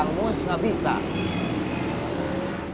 umur bagian di depan